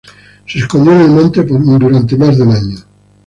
Se escondió en el monte por más de un año.